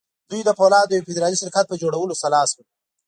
دوی د پولادو د یوه فدرالي شرکت پر جوړولو سلا شول